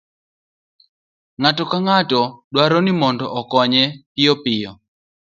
ng'ato ka ng'ato dwaro ni mondo okonye piyopiyo